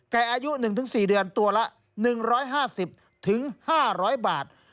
อายุ๑๔เดือนตัวละ๑๕๐๕๐๐บาท